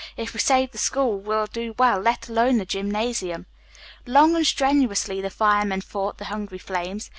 If we save the school we'll do well, let alone the gymnasium." Long and strenuously the firemen fought the hungry flames.